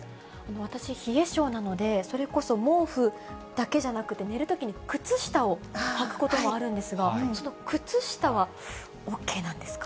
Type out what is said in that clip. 私、冷え性なので、それこそ毛布だけじゃなくて、寝るときに靴下をはくこともあるんですが、靴下はＯＫなんですか？